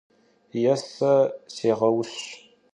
Yêse seğêyş.